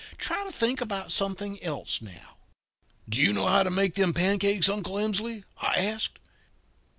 Try to think about something else now.' "'Do you know how to make them pancakes, Uncle Emsley?' I asked.